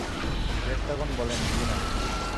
ফেরেশতাগণ বলেন, জ্বী না।